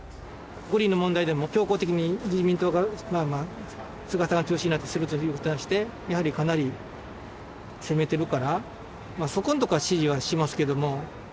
五輪の問題でも強行的に自民党が、菅さんが中心になって進めることに対して、やはりかなり攻めてるから、そこのところは支持はしますけれども。